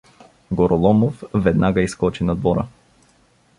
Гороломов веднага изскочи на двора.